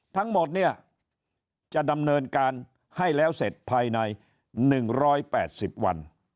ทั้งหมดเนี่ยจะดำเนินการให้แล้วเสร็จภายใน๑๘๐วัน